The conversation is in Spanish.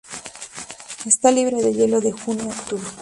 Está libre de hielo de junio a octubre.